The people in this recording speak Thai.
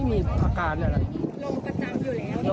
ลงประจำอยู่